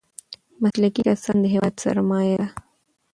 مسلکي کسان د هېواد سرمايه ده.